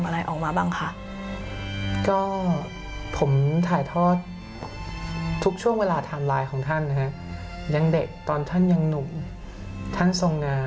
แล้วก็ลอยยิ้มของทัน